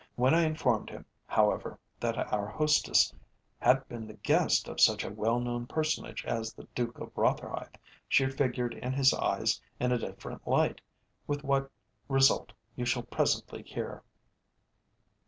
When I informed him, however, that our hostess had been the guest of such a well known personage as the Duke of Rotherhithe she figured in his eyes in a different light, with what result you shall presently hear.